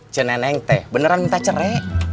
ceneneng teh beneran minta cerai